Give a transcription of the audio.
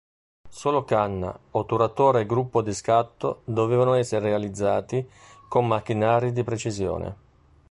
Solo canna, otturatore e gruppo di scatto dovevano essere realizzati con macchinari di precisione.